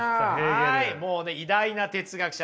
はいもうね偉大な哲学者。